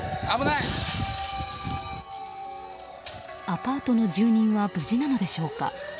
アパートの住民は無事なのでしょうか。